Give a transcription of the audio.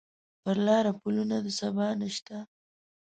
پر لاره پلونه د سبا نشته